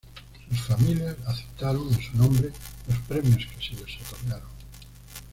Sus familias aceptaron en su nombre los premios que se les otorgaron.